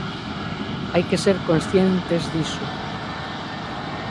Hai que ser conscientes diso.